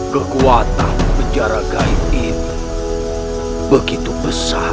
kekuatan penjara gaib itu begitu besar